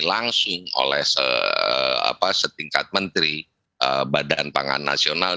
langsung oleh setingkat menteri badan pangan nasional